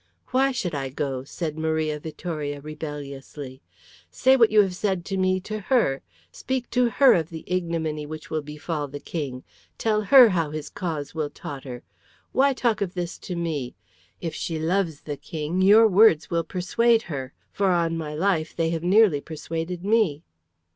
"Why should I go?" said Maria Vittoria, rebelliously. "Say what you have said to me to her! Speak to her of the ignominy which will befall the King! Tell her how his cause will totter! Why talk of this to me? If she loves the King, your words will persuade her. For on my life they have nearly persuaded me."